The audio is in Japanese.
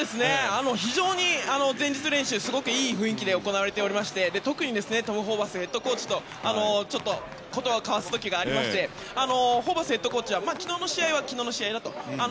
非常に前日練習すごくいい雰囲気で行われていまして特にトム・ホーバスヘッドコーチと言葉を交わす時がありましてホーバスヘッドコーチは昨日の試合は、昨日の試合だと。